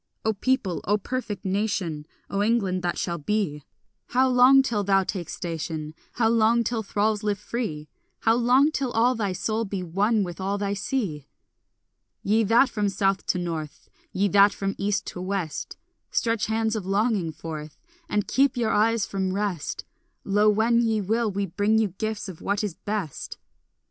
O people, O perfect nation, O England that shall be, How long till thou take station? How long till thralls live free? How long till all thy soul be one with all thy sea? Ye that from south to north, Ye that from east to west, Stretch hands of longing forth And keep your eyes from rest, Lo, when ye will, we bring you gifts of what is best.